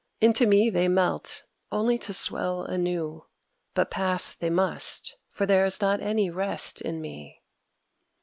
Into me they melt, only to swell anew. But pass they must; for there is not any rest in me."